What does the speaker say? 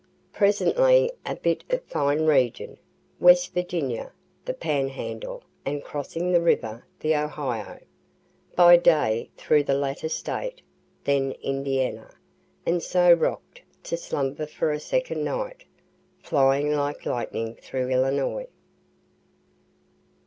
Presently a bit of fine region, West Virginia, the Panhandle, and crossing the river, the Ohio. By day through the latter State then Indiana and so rock'd to slumber for a second night, flying like lightning through Illinois.